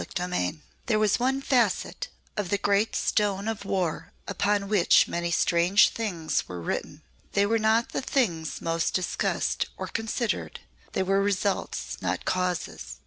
CHAPTER IV There was one facet of the great stone of War upon which many strange things were written. They were not the things most discussed or considered. They were results not causes.